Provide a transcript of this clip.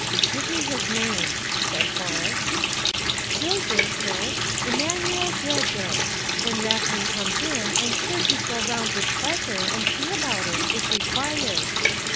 "Give me his name," said Horace. "Dilger, sir Emanuel Dilger. When Rapkin comes in I'm sure he'd go round with pleasure, and see about it, if required."